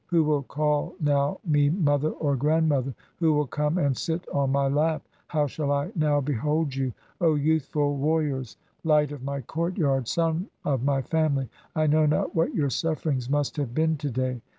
Who will call now me mother or grandmother ? Who will come and sit cn my lap ? How shall I now behold you ? O youthful warriors, light of my courtyard, sun of my family, 1 know not what your sufferings must have been to day.